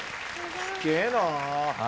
すげえなぁ。